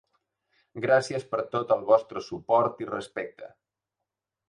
Gràcies per tot el vostre suport i respecte!